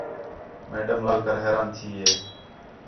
میڈم لال کر حیران تھی ہے